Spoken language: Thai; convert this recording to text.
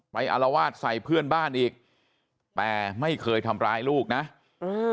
อารวาสใส่เพื่อนบ้านอีกแต่ไม่เคยทำร้ายลูกนะอืม